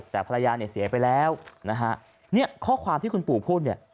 แต่ภรรยาเนี่ยเสียไปแล้วนะฮะเนี่ยข้อความที่คุณปู่พูดเนี่ย